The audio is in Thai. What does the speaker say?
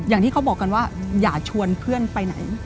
อย่างที่เขาบอกกันว่าอย่าชวนเพื่อนไปไหน